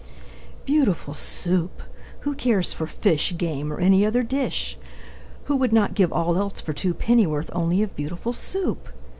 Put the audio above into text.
Beautiful Soup! Who cares for fish, Game, or any other dish? Who would not give all else for two Pennyworth only of Beautiful Soup?